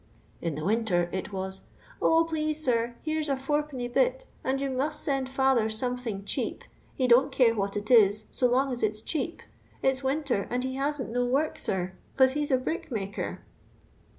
In the winter, it was, * 0 please, sir, here 's a fourpenny bit, and you must sen l father something cheap. Ue don't care what it is. so long as it's cheap. It's winter, and he hasn't no work, sir — 'cans • he 's a brickmaker.'